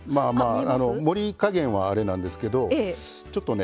加減はあれなんですけどちょっとね